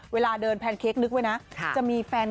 เวลาเดินแพนเค้กนึกไว้นะจะมีแฟน